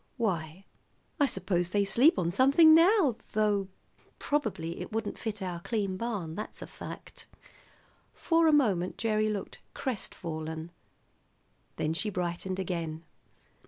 "Why, I suppose they sleep on something now, though probably it wouldn't fit our clean barn; that's a fact." For a moment Gerry looked crestfallen. Then she brightened again.